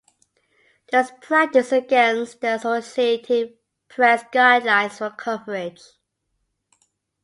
This practice is against the Associated Press guidelines for coverage.